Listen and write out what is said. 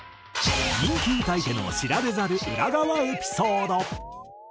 人気歌い手の知られざる裏側エピソード。